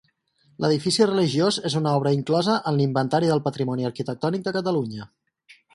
L'edifici religiós és una obra inclosa en l'Inventari del Patrimoni Arquitectònic de Catalunya.